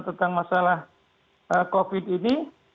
tentang masalah covid sembilan belas ini